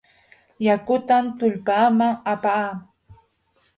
Yakutam tullpaaman apaa.